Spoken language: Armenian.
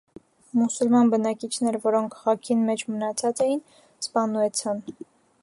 Մուսուլման բնակիչները, որոնք քաղաքին մէջ մնացած էին, սպաննուեցան։